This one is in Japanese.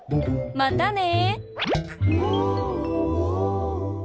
またね。